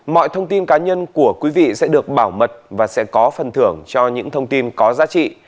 mọi thông tin cá nhân của quý vị sẽ được bảo mật và sẽ có phần thưởng cho những thông tin có giá trị